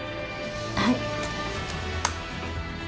はい。